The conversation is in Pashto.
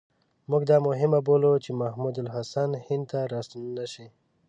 موږ دا مهمه بولو چې محمود الحسن هند ته را ستون نه شي.